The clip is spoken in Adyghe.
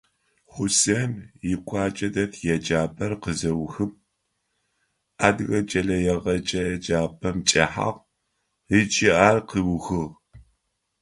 Хъусен икъуаджэ дэт еджапӀэр къызеухым, Адыгэ кӀэлэегъэджэ еджапӀэм чӀэхьагъ ыкӀи ар къыухыгъ.